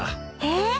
えっ？